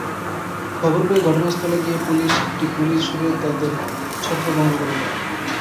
খবর পেয়ে ঘটনাস্থলে গিয়ে পুলিশ একটি গুলি ছুড়ে তাঁদের ছত্রভঙ্গ করে দেয়।